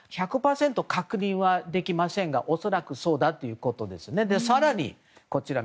１００％確認はできませんが恐らくそうだということです。